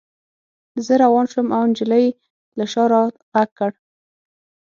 زه روان شوم او نجلۍ له شا را غږ کړ